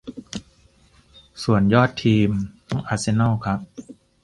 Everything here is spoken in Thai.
ส่วนยอดทีมต้องอาร์เซนอลครับ